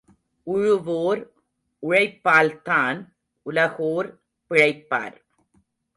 உழுவோர் உழைப்பால்தான் உலகோர் பிழைப்பார்.